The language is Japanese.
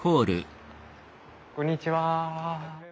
こんにちは。